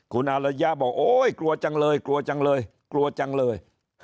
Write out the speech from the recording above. คุณอารยะบอกโอ๊ยกลัวจังเลยกลัวจังเลยกลัวจังเลย